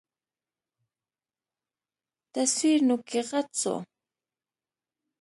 تصوير نوکى غټ سو.